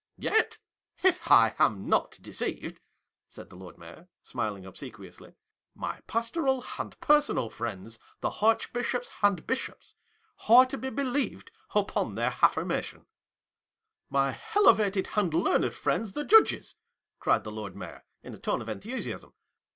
Yet, if I am not deceived," said the Lord Mayor, smiling obsequiously, " my pas toral and personal friends the archbishops and bishops, are to be believed upon their affirmation ]" My elevated and learned friends, the Judges !" cried the Lord Mayor, in a tone of enthusiasm.